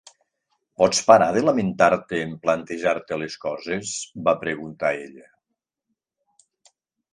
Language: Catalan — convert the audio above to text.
"Pots parar de lamentar-te en plantejar-te les coses?", va preguntar ella.